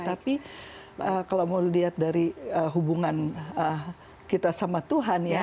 tapi kalau mau lihat dari hubungan kita sama tuhan ya